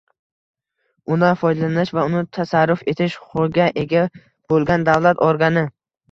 undan foydalanish va uni tasarruf etish huquqiga ega bo‘lgan davlat organi